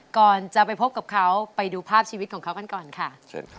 ก่อนจะไปพบกับเขาไปดูภาพชีวิตของเขากันก่อนค่ะเชิญค่ะ